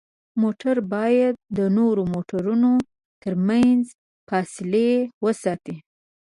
موټر باید د نورو موټرونو ترمنځ فاصلې وساتي.